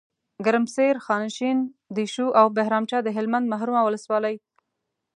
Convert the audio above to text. ګرمسیر، خانشین، دیشو او بهرامچه دهلمند محرومه ولسوالۍ